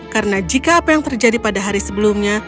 karena jika apa yang terjadi pada hari sebelumnya